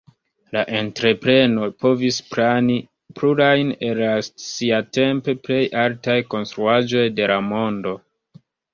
La entrepreno povis plani plurajn el la siatempe plej altaj konstruaĵoj de la mondo.